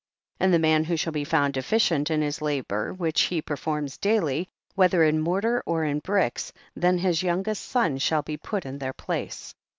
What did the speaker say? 6. And the man who shall be found deficient in his labor which he per forms daily, whether in mortar or in bricks, then his youngest son shall be put in their place.